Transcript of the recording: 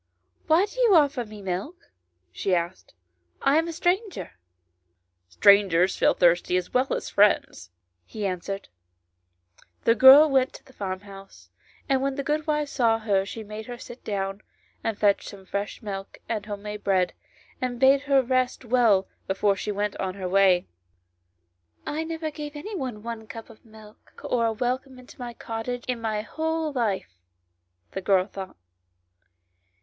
" Why do you offer me milk ?" she asked ;" I am a stranger." "Strangers feel thirsty as well as friends," he answered. The girl went to the farm house, and when the good wife saw her she made her sit down, and fetched some fresh milk and home made bread, and bade her rest well before she went on her way. v.] FROM OUTSIDE THE WORLD. 65 " I never gave any one a cup of niilk or a welcome into my cottage in my whole life," the girl thought.